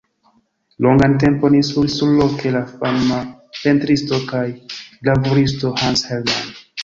Longan tempon instruis surloke la fama pentristo kaj gravuristo Hans Hermann.